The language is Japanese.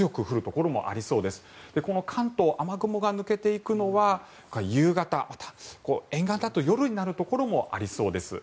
この関東、雨雲が抜けていくのは夕方、沿岸だと夜になるところもありそうです。